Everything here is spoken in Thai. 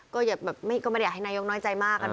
ก็ไม่ได้อยากให้นายกน้อยใจมาก